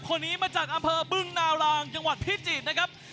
คนนี้มาจากอำเภอบึงนารางจังหวัดพิจิตรนะครับ